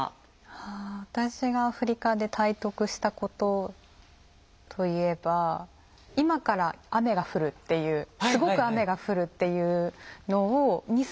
私がアフリカで体得したことといえば今から雨が降るっていうすごく雨が降るっていうのにすごく敏感になったりだとか。